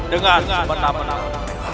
dengan benar benar perbuatanmu